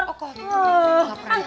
otak kotor gak pernah disapu